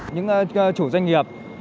những chủ doanh nghiệp